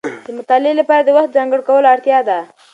د مطالعې لپاره د وخت ځانګړی کولو اړتیا ده.